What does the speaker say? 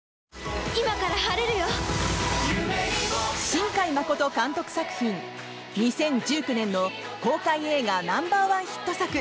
新海誠監督作品２０１９年の公開映画ナンバー１ヒット作